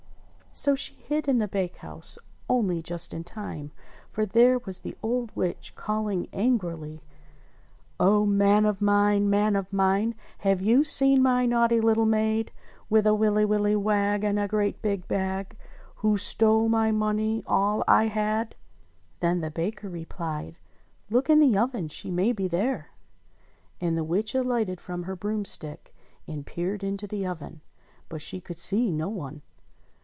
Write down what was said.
122 ENGLISH FAIRY TALES So slif; hid in the bakehouse, only just in time, for there was the old witch calling angrily : "O Man of mine ! Man of mine ! Have you seen my naughty little maid With a willy willy wag and a great big bag, Who's stole my money — all I had ?" Then the baker replied, "Look in the oven. She may be there." And the witch alighted from her broomstick and peered into the oven : but she could see no one.